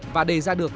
và đề ra được